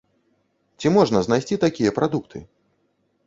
Ці можна знайсці такія прадукты?